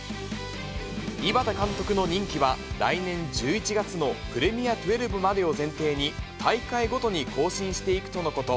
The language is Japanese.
井端監督の任期は来年１１月のぷれみあ１２までを前提に、大会ごとに更新していくとのこと。